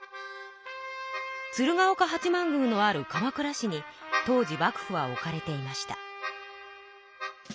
鶴岡八幡宮のある鎌倉市に当時幕府は置かれていました。